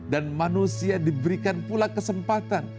dan manusia diberikan pula kesempatan